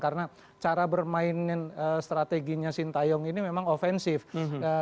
karena cara bermain strategi sintayong ini memang offensive